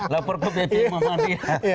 lapor ke bpm sama dia